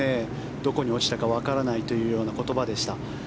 どこに落ちたかわからないという言葉でした。